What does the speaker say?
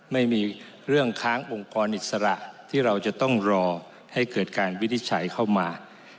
ไม่มีเรื่องค้างองค์กรอิสระที่เราจะต้องรอให้เกิดการวินิจฉัยเข้ามา